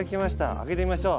開けてみましょう。